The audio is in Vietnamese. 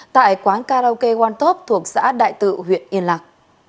tại quán karaoke one top thuộc xã đại tự huyện yên lạc